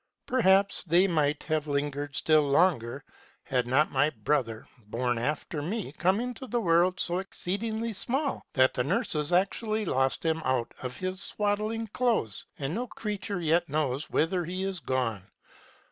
Perhaps they might have hesitated still longer had not my brother, born after me, come into the world so exceedingly small that the nurses actually lost him out of his swaddling clothes ; and no crea ture yet knows whither he is gone.